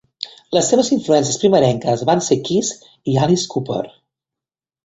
Les seves influències primerenques van ser Kiss i Alice Cooper.